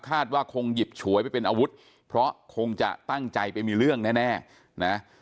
ว่าคงหยิบฉวยไปเป็นอาวุธเพราะคงจะตั้งใจไปมีเรื่องแน่นะ